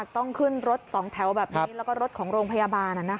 ต้องขึ้นรถสองแถวแบบนี้แล้วก็รถของโรงพยาบาล